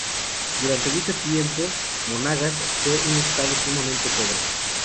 Durante mucho tiempo, Monagas fue un Estado sumamente pobre.